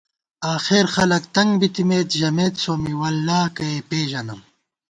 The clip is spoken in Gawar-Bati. آخر خلَک تنگ بِتِمېت ، ژمېت سومّی “واللہ کہ ئے پېژَنم”